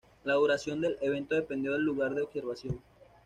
La duración del evento dependió del lugar de observación.